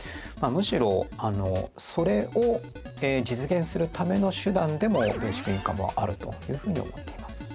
むしろそれを実現するための手段でもベーシックインカムはあるというふうに思っています。